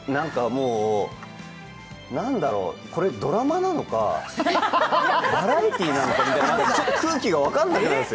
なんだろう、これドラマなのか、バラエティーなのか、ちょっと空気が分からなくなるんです。